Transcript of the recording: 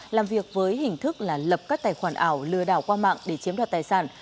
làm việc với hình thức là lập các tài khoản ảo lừa đảo qua mạng để chiếm đoạt tài sản